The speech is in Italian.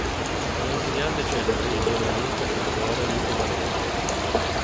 Tra gli insegnanti celebri il giornalista e scrittore Luca Gallesi.